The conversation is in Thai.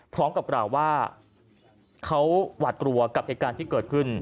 พร้อมกับกล่าวว่าเขาหวาดกลัวกับเหตุการณ์ที่เกิดขึ้น